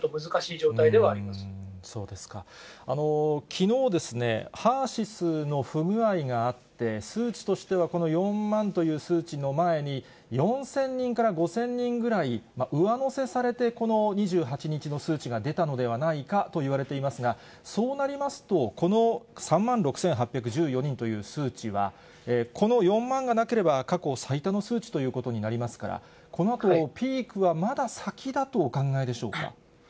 きのう、ＨＥＲーＳＹＳの不具合があって、数値としては、この４万という数値の前に、４０００人から５０００人ぐらい上乗せされて、この２８日の数値が出たのではないかといわれていますが、そうなりますと、この３万６８１４人という数値は、この４万がなければ、過去最多の数値ということになりますから、このあと、ピークはまだ先だとお考えでしょうか？